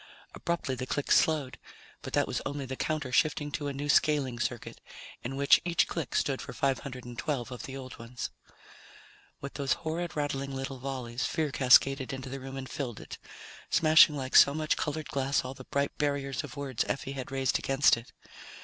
Abruptly the clicks slowed, but that was only the counter shifting to a new scaling circuit, in which each click stood for 512 of the old ones. With those horrid, rattling little volleys, fear cascaded into the room and filled it, smashing like so much colored glass all the bright barriers of words Effie had raised against it.